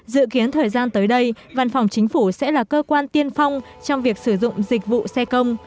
dự kiến thời gian tới đây văn phòng chính phủ sẽ là cơ quan tiên phong trong việc sử dụng dịch vụ xe công